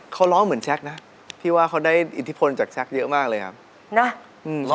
เขาร้องเหมือนแชคนะพี่ว่าเขาได้อิทธิพลจากแซคเยอะมากเลยครับ